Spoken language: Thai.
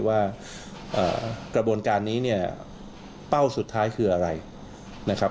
ว่ากระบวนการนี้เนี่ยเป้าสุดท้ายคืออะไรนะครับ